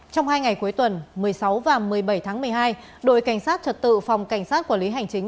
trong hai ngày cuối tuần một mươi sáu và một mươi bảy tháng một mươi hai đội cảnh sát trật tự phòng cảnh sát quản lý hành chính